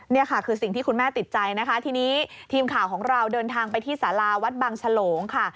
นี่ค่ะคือสิ่งที่คุณแม่ติดใจนะคะทีนี้ทีมข่าวของเราเดินทางไปที่สาราวัดบางฉลงค่ะ